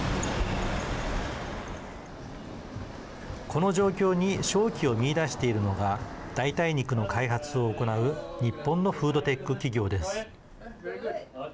この状況に商機を見いだしているのが代替肉の開発を行う日本のフードテック企業です。